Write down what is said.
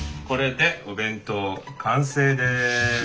これでお弁当完成です。